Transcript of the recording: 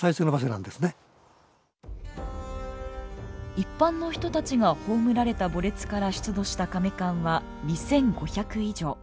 一般の人たちが葬られた墓列から出土したかめ棺は２，５００以上。